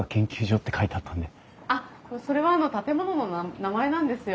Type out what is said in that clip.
あっそれは建物の名前なんですよ。